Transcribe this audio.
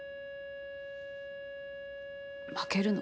負けるの？